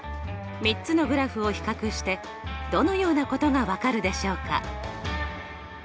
３つのグラフを比較してどのようなことが分かるでしょうか？